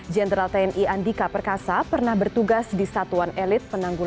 jenderal tni andika perkasa pernah bertugas di satuan elit penanggulangan